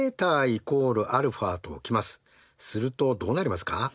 するとどうなりますか？